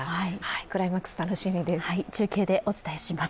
クライマックス、楽しみです。